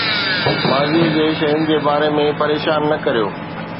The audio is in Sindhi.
ماضي جي شين جي باري ۾ پريشان نه ڪريو